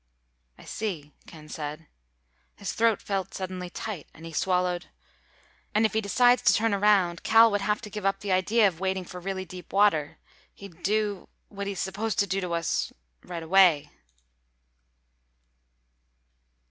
"I see," Ken said. His throat felt suddenly tight and he swallowed. "And if he decides to turn around, Cal would have to give up the idea of waiting for really deep water. He'd do—what he's supposed to do to us—right away."